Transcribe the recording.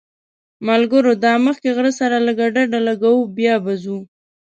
ملګرو دا مخکې غره سره لږ ډډه لګوو بیا به ځو.